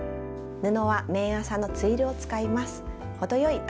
布は綿麻のツイルを使います。